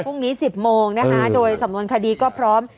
พรุ่งนี้๑๐โมงนะคะโดยสำนวนคดีก็พร้อม